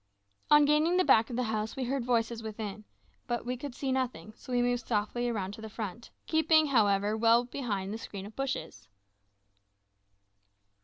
On gaining the back of the house we heard voices within, but could see nothing, so we moved softly round to the front, keeping, however, well behind the screen of bushes.